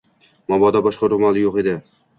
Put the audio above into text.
Momoda boshqa roʻmoli yoʻq edi.